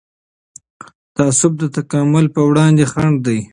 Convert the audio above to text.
تعصب د تکامل پر وړاندې خنډ دی